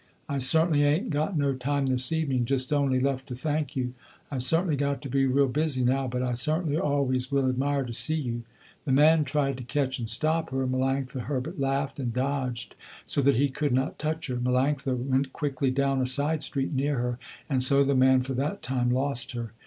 "I certainly ain't got no time this evening just only left to thank you. I certainly got to be real busy now, but I certainly always will admire to see you." The man tried to catch and stop her, Melanctha Herbert laughed and dodged so that he could not touch her. Melanctha went quickly down a side street near her and so the man for that time lost her.